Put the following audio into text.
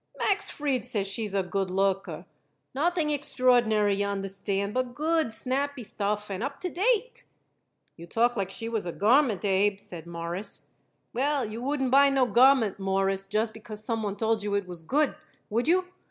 "Max Fried says she is a good looker. Nothing extraordinary, y'understand, but good, snappy stuff and up to date." "You talk like she was a garment, Abe," said Morris. "Well, you wouldn't buy no garment, Mawruss, just because some one told you it was good. Would you?